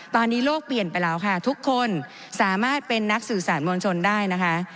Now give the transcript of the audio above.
ตอนนี้โลกเปลี่ยนไปแล้วค่ะทุกคนสามารถเป็นนักสื่อสารมวลชนได้นะคะ